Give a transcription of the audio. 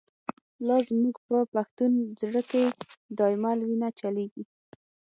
لاز موږ په پښتون زړه کی، ”دایمل” وینه چلیږی